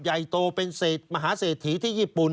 ใหญ่โตเป็นมหาเศรษฐีที่ญี่ปุ่น